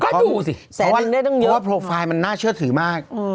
เพราะว่ามันน่าเชื่อถือมาก